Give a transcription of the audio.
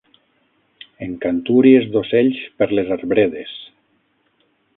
...en cantúries d'ocells per les arbredes